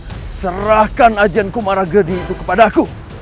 ayo cepat serahkan ajian kumaragedi itu kepada aku